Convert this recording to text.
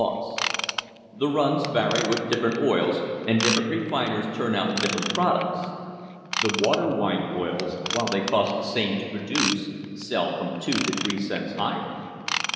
loss. The runs vary with dif ferent oils, and different refiners turn out different products. The water white oils, while they cost the same to produce, sell from two to three cents higher.